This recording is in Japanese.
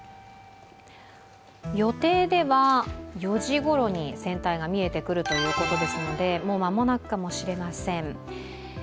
予定では４時ごろに船体が見えてくるということですので、もう間もなくかもしれません。